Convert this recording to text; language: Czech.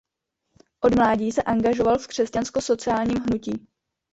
Od mládí se angažoval v křesťansko sociálním hnutí.